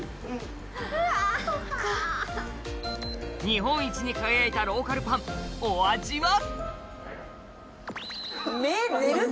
日本一に輝いたローカルパンお味は？